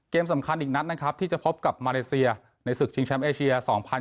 สำคัญอีกนัดนะครับที่จะพบกับมาเลเซียในศึกชิงแชมป์เอเชีย๒๐๒๐